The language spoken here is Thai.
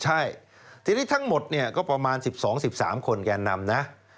ใช่ทีนี้ทั้งหมดเนี่ยก็ประมาณ๑๒๑๓คนแก่นำนะ